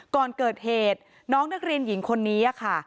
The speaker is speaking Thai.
ก่อนเกิดเหตุน้องนักเรียนหญิงคนนี้ค่ะ